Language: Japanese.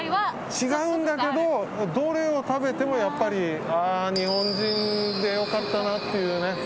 違うんだけどどれを食べてもああ、日本人で良かったなっていうね。